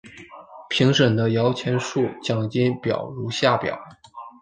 评审的摇钱树奖金表如下表。